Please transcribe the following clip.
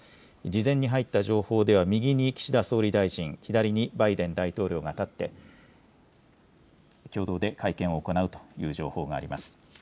事前に入った情報では、右に岸田総理大臣、左にバイデン大統領が立って、共同で会見を行うという情報があります。